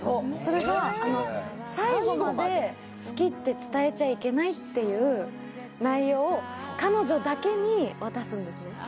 それが最後まで好きって伝えちゃいけないっていう内容を彼女だけに渡すんですね